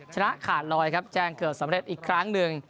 ชนะขาดลอยครับแจ้งเกือบสำเร็จอีกครั้งหนึ่ง